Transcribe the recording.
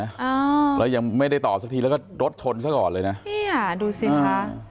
อ่าแล้วยังไม่ได้ต่อสักทีแล้วก็รถชนซะก่อนเลยนะเนี่ยดูสิคะ